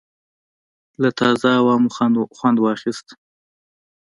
له تازه هوا مو خوند واخیست.